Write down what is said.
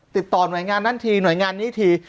ติดต่อหน่วยงานนั้นทีหน่วยงานนี้ที